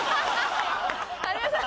有吉さん